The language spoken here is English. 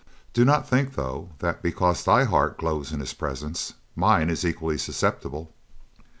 Do not think though that, because thy heart glows in his presence, mine is equally susceptible."